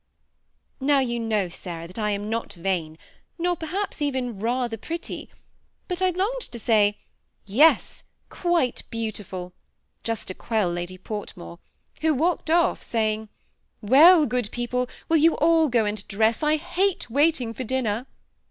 Now you know, Sarah, that I am not vain, nor perhaps even rather pretty, but I longed to say ' Yes, quite beaudful,' just to quell Lady Portmore, who walked off, saying, ^ Well, good people, will you all go and dress, I hate waiting for dinner.'